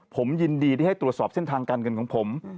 ผมยินดีที่ให้ตรวจสอบเส้นทางการเงินของผม